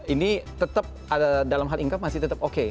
ini tetap dalam hal income masih tetap oke